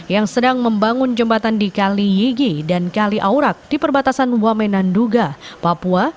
yang sedang membangun jembatan di kali yigi dan kali aurak di perbatasan wamenanduga papua